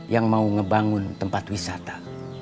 yang mau ngebangun tempat wisata